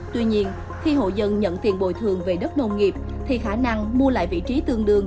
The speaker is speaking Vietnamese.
tuy nhiên khi hộ dân nhận tiền bồi thường về đất nông nghiệp thì khả năng mua lại vị trí tương đương